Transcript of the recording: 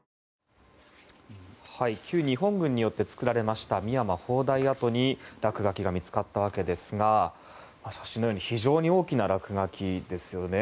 旧日本軍によって造られました深山砲台跡に落書きが見つかったわけですが写真のように非常に大きな落書きですよね。